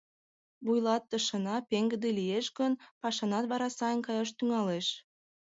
Вуйлатышына пеҥгыде лиеш гын, пашанат вара сайын каяш тӱҥалеш.